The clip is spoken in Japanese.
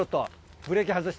ブレーキ外して。